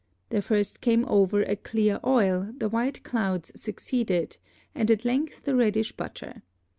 There first came over a clear Oil, the white Clouds succeeded, and at length the reddish Butter.